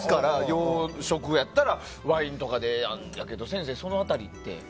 洋やったらワインとかやけど先生、その辺りは。